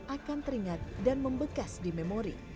akan teringat dan membekas di memori